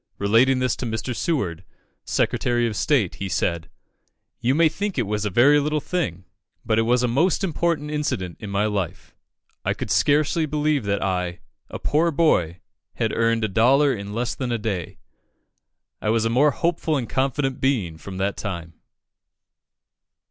Relating this to Mr. Seward, Secretary of State, he said "You may think it was a very little thing, but it was a most important incident in my life. I could scarcely believe that I, a poor boy, had earned a dollar in less than a day. I was a more hopeful and confident being from that time."